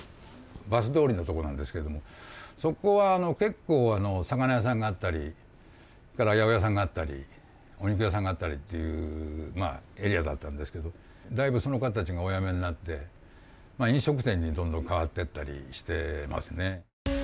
バス通りのとこなんですけどもそこは結構魚屋さんがあったり八百屋さんがあったりお肉屋さんがあったりっていうまあエリアだったんですけどだいぶその方たちがお辞めになって飲食店にどんどん変わってったりしてますね。